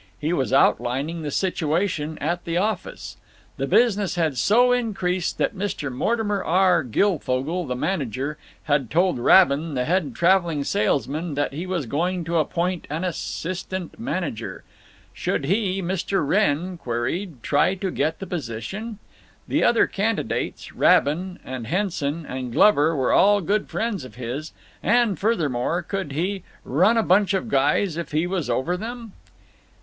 He was outlining the situation at the office. The business had so increased that Mr. Mortimer R. Guilfogle, the manager, had told Rabin, the head traveling salesman, that he was going to appoint an assistant manager. Should he, Mr. Wrenn queried, try to get the position? The other candidates, Rabin and Henson and Glover, were all good friends of his, and, furthermore, could he "run a bunch of guys if he was over them?"